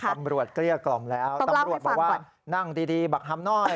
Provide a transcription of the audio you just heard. เกลี้ยกล่อมแล้วตำรวจบอกว่านั่งดีบักฮำหน่อย